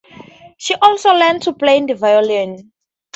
She also learned to play the violin.